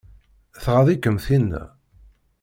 Tɣaḍ-ikem tinna?